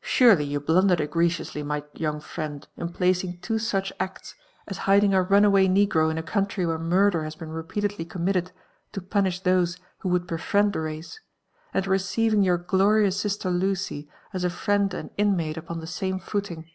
"Surely you blundered egregiously, my young friend, in placing two such acts, as hiding a runaway negro In a country where murder has been repeatedly committed to [>unish those who would befriend ihe race, and receiving your glorious sister Lucy as a friend and inmate upon the same fooling.